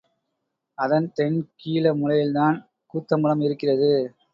அதன் தென் கீழ மூலையில்தான் கூத்தம்பலம் இருக்கிறது.